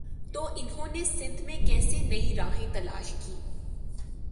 تو انہوں نے سندھ میں کیسے نئی راہیں تلاش کیں۔